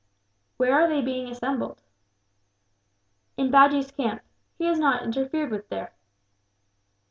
"Where are they being assembled?" "In Bajee's camp. He is not interfered with, there."